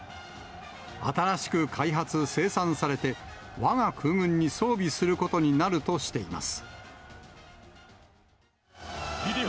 新しく開発・生産されて、わが空軍に装備することになるとしています。